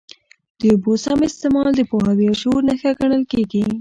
د اوبو سم استعمال د پوهاوي او شعور نښه ګڼل کېږي.